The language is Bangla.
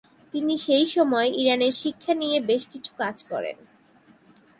তিনি সে সময়ে ইরানের শিক্ষা নিয়ে বেশ কিছু কাজ করেন।